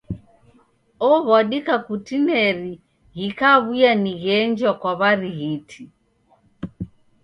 Ow'adika kutineri ghikaw'uya ni gheenjwa kwa w'arighiti.